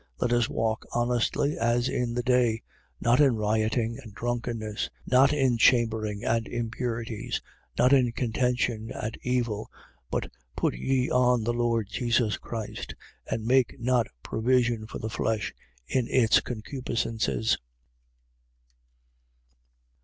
13:13. Let us walk honestly, as in the day: not in rioting and drunkenness, not in chambering and impurities, not in contention and envy. 13:14. But put ye on the Lord Jesus Christ: and make not provision for the flesh in its concupiscences.